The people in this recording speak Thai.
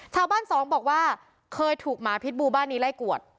สองบอกว่าเคยถูกหมาพิษบูบ้านนี้ไล่กวด